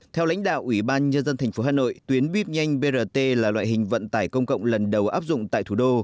theo lãnh đạo ubnd tp hà nội tuyến buýt nhanh brt là loại hình vận tải công cộng lần đầu áp dụng tại thủ đô